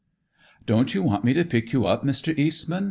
"Don't you want me to pick you up, Mr. Eastman?